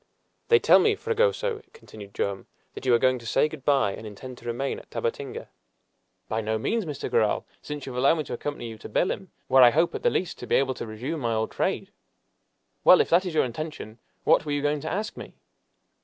"They tell me, Fragoso," continued Joam, "that you are going to say good by, and intend to remain at Tabatinga." "By no means, Mr. Garral, since you have allowed me to accompany you to Belem, where I hope at the least to be able to resume my old trade." "Well, if that is your intention what were you going to ask me?"